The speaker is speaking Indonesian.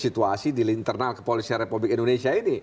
situasi di internal kepolisian republik indonesia ini